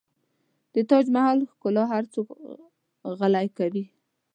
د تاج محل ښکلا هر څوک غلی کوي.